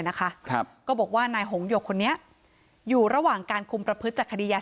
นะครับก็บอกว่านายหงหยกคนนี้อยู่ระหว่างการคุมประพฤติจากคดียา